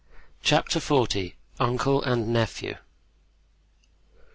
Chapter XL. Uncle and Nephew.